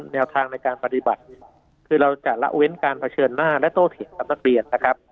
แนวทางในการปฏิบัติเนี่ยคือเราจะละเว้นการเผชิญหน้าและโตเถียงกับนักเรียนนะครับ